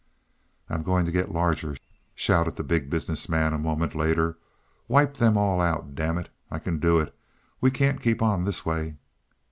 "I'm going to get larger," shouted the Big Business Man a moment later. "Wipe them all out, damn it; I can do it. We can't keep on this way."